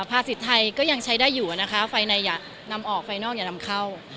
ภาษีไทยก็ยังใช้ได้อยู่นะคะไฟในอย่านำออกไฟนอกอย่านำเข้า